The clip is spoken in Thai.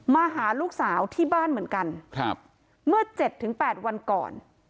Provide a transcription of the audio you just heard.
มาหาลูกสาวที่บ้านเหมือนกันเมื่อเจ็บถึงแปดวันก่อน